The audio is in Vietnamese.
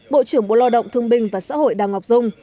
bộ trưởng bộ lo động thương bình và xã hội đào ngọc dung